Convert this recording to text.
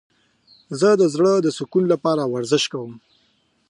زه د زړه د سکون لپاره ورزش کوم.